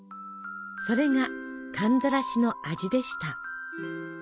それが寒ざらしの味でした。